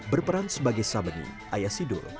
berperan sebagai sabeni ayah sidul